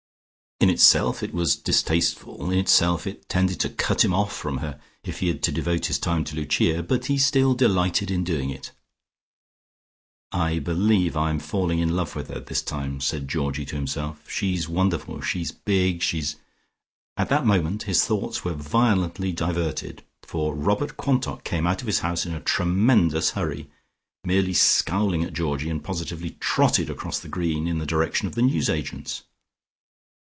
In itself it was distasteful, in itself it tended to cut him off from her, if he had to devote his time to Lucia, but he still delighted in doing it. "I believe I am falling in love with her this time," said Georgie to himself.... "She's wonderful; she's big; she's " At that moment his thoughts were violently diverted, for Robert Quantock came out of his house in a tremendous hurry, merely scowling at Georgie, and positively trotted across the Green in the direction of the news agent's.